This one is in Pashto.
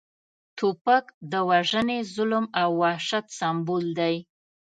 توپک د وژنې، ظلم او وحشت سمبول دی